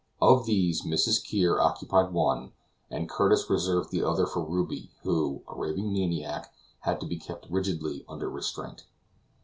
Of these Mrs. Kear occupied one, and Curtis reserved the other for Ruby, who, a raving maniac, had to be kept rigidly under restraint.